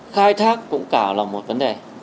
khai thác cũng cả là một vấn đề